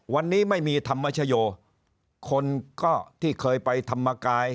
วันนี้ไม่มีธรรมชโยคนก็ที่เคยไปธรรมกาย